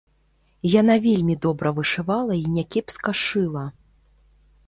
Яна вельмі добра вышывала і някепска шыла.